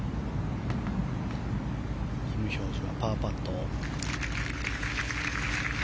キム・ヒョージュ、パーパット。